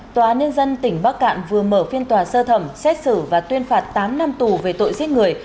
tòa án nhân dân tỉnh bắc cạn vừa mở phiên tòa sơ thẩm xét xử và tuyên phạt tám năm tù về tội giết người